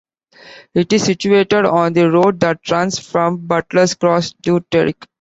It is situated on the road that runs from Butlers Cross to Terrick.